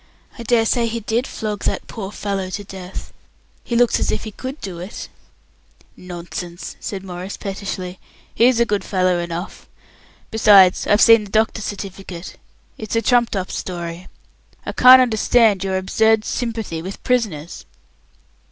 "I dare say he did flog that poor fellow to death. He looks as if he could do it." "Nonsense!" said Maurice, pettishly; "he's a good fellow enough. Besides, I've seen the doctor's certificate. It's a trumped up story. I can't understand your absurd sympathy with prisoners."